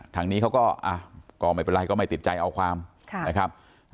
ทางนี้เขาก็ไม่เป็นไรก็ไม่ติดใจเอาความนะครับ